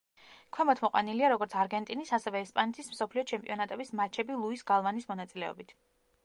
ქვემოთ მოყვანილია როგორც არგენტინის, ასევე, ესპანეთის მსოფლიო ჩემპიონატების მატჩები ლუის გალვანის მონაწილეობით.